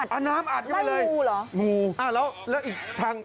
เอาน้ำอัดได้งูเหรองูอ่ะแล้วอีกทาง